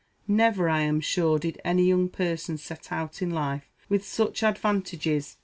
Never, I am sure, did any young person set out in life with such advantages.